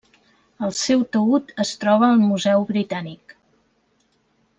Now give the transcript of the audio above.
El seu taüt es troba al Museu Britànic.